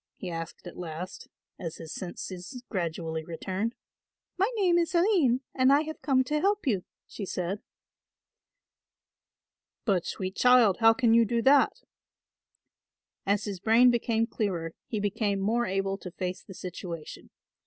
he asked at last, as his senses gradually returned. "My name is Aline and I have come to help you," she said. "But, sweet child, how can you do that?" As his brain became clearer he became more able to face the situation.